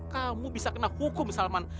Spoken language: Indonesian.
kamu bisa kena hukum salman